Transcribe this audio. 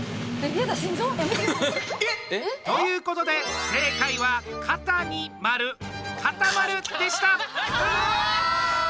やめて！ということで正解は肩に丸、「固まる」でした。